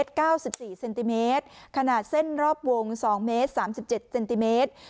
เก้าสิบสี่เซนติเมตรขนาดเส้นรอบวงสองเมตรสามสิบเจ็ดเซนติเมตร